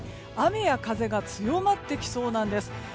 雨や風が強まってきそうなんです。